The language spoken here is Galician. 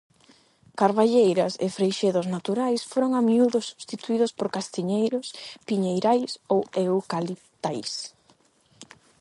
Carballeiras e freixedos naturais foron a miúdo substituídos por castiñeiros, piñeirais ou eucaliptais.